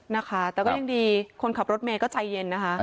นะคะแต่ก็ยังดีคนขับรถเมย์ก็ใจเย็นนะคะ